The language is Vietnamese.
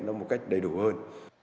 nó một cách đầy đủ hơn